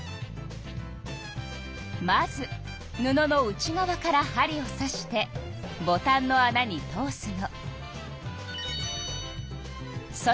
まず布の内側から針をさしてボタンのあなに通すの。